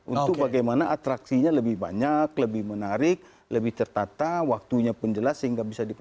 untuk bagaimana atraksinya lebih banyak lebih menarik lebih tertata waktunya pun jelas sehingga bisa dikonsu